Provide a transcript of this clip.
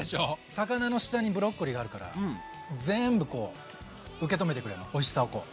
魚の下にブロッコリーがあるから全部こう受け止めてくれるのおいしさをこう。